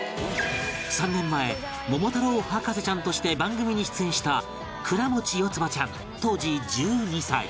３年前桃太郎博士ちゃんとして番組に出演した倉持よつばちゃん当時１２歳